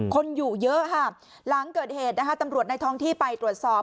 คนอยู่เยอะค่ะหลังเกิดเหตุนะคะตำรวจในท้องที่ไปตรวจสอบ